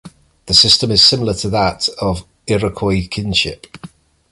The system is similar to that of Iroquois kinship.